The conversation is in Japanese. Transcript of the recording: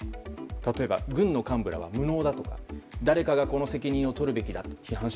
例えば、軍の幹部らは誰かがこの責任を取るべきだと。